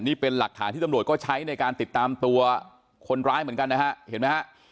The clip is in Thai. นี่เป็นหลักฐานที่ตำรวจก็ใช้ในการติดตามตัวคนร้ายเหมือนกันนะฮะเห็นไหมฮะ